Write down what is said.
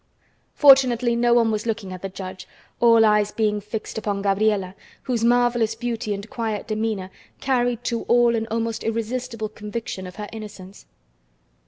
Fortunately, no one was looking at the judge, all eyes being fixed upon Gabriela, whose marvelous beauty and quiet demeanor carried to all an almost irresistible conviction of her innocence.